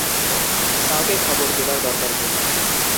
কাউকে খবর দেবার দরকার নেই।